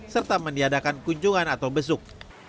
serta meniadakan kunjungan atau besuk